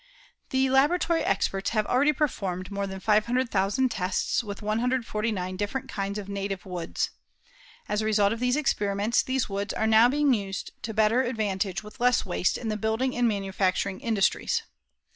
The laboratory experts have already performed more than 500,000 tests with 149 different kinds of native woods. As a result of these experiments, these woods are now being used to better advantage with less waste in the building and manufacturing industries.